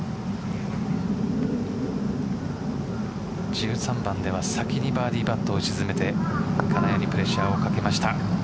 １３番では先にバーディーパットを沈めて金谷にプレッシャーをかけました。